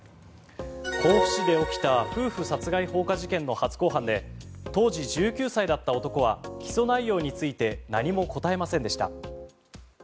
甲府市で起きた夫婦殺害放火事件の初公判で当時１９歳だった男は起訴内容について何も答えませんでした。